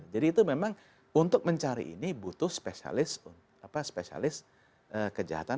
jadi itu memang untuk mencari ini butuh spesialis kejahatan